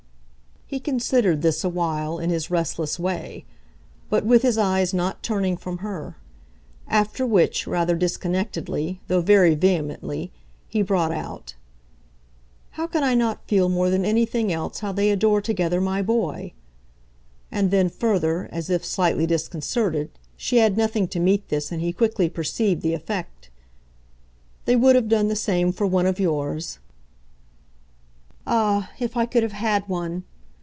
He considered this a while, in his restless way, but with his eyes not turning from her; after which, rather disconnectedly, though very vehemently, he brought out: "How can I not feel more than anything else how they adore together my boy?" And then, further, as if, slightly disconcerted, she had nothing to meet this and he quickly perceived the effect: "They would have done the same for one of yours." "Ah, if I could have had one